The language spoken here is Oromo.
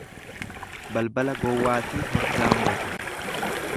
Balbala gowwaatii hordaa muratu.